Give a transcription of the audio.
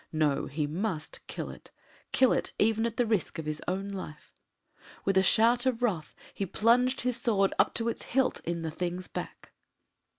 No! he must kill it. Kill it even at the risk of his own life. With a shout of wrath he plunged his sword up to its hilt in the thing's back.